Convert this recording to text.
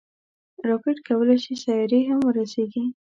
راکټ کولی شي سیارې هم ورسیږي